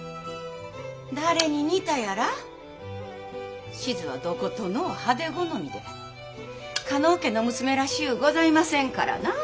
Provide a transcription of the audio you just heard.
誰に似たやら志津はどことのう派手好みで加納家の娘らしゅうございませんからなあ。